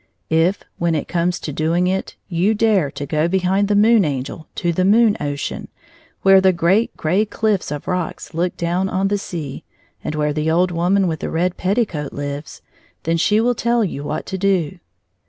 K, when it comes to doing it, you dare to go behind the Moon Angel to the Moon ocean, where the great gray cliflfe of rocks look down on the sea, and where the old woman with the red petticoat Uves, then she will tell you what to do."